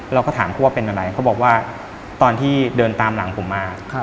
เราก็ถามเขาว่าเป็นอะไรเขาบอกว่าตอนที่เดินตามหลังผมมา